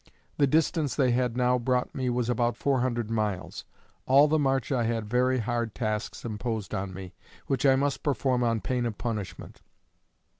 The distance they had now brought me was about four hundred miles. All the march I had very hard tasks imposed on me, which I must perform on pain of punishment.